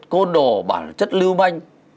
côn đồ bản chất lưu manh